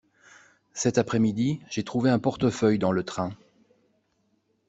Cet après-midi, j'ai trouvé un portefeuille dans le train.